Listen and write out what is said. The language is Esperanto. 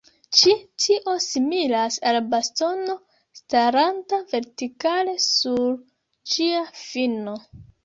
Ĉi tio similas al bastono staranta vertikale sur ĝia fino.